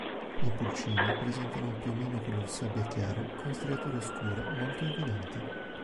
I pulcini presentano un piumino color sabbia chiaro con striature scure molto evidenti.